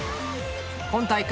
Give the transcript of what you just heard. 今大会